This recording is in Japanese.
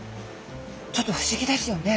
ちょっと不思議ですよね。